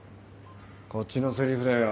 こっちのセリフだよ。